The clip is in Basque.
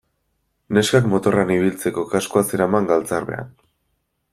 Neskak motorrean ibiltzeko kaskoa zeraman galtzarbean.